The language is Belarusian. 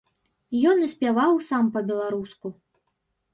Ён і спяваў сам па-беларуску.